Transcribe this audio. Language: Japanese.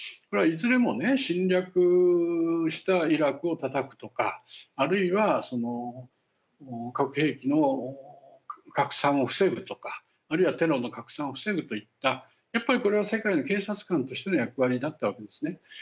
これはいずれも侵略したイラクをたたくとかあるいは核兵器の拡散を防ぐとかあるいはテロの拡散を防ぐといったやっぱりこれは世界の警察官としての役割だったわけですね。